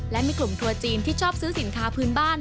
และมีกลุ่มทัวร์จีนที่ชอบซื้อสินค้าพื้นบ้าน